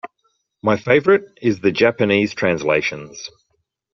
My favorite is the Japanese translations.